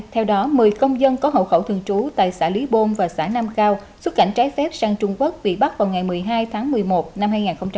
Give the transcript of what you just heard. theo đó một mươi công dân có hậu khẩu thường trú tại xã lý bôn và xã nam cao xuất cảnh trái phép sang trung quốc bị bắt vào ngày một mươi hai tháng một mươi một năm hai nghìn hai mươi ba